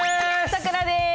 さくらです！